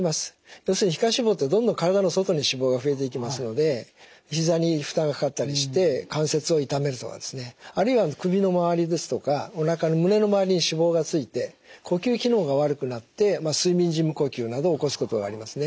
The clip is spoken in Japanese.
要するに皮下脂肪ってどんどん体の外に脂肪が増えていきますので膝に負担がかかったりして関節を痛めるとかですねあるいは首の周りですとかおなかの胸の周りに脂肪が付いて呼吸機能が悪くなって睡眠時無呼吸など起こすことがありますね。